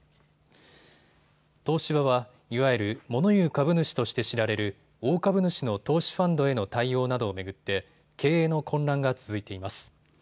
東芝は、いわゆるモノ言う株主として知られる大株主の投資ファンドへの対応などを巡って経営の混乱が続いています。